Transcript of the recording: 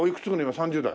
今３０代？